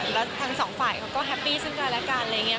แล้วทั้งสองฝ่ายเขาก็แฮปปี้ซึ่งกันและกัน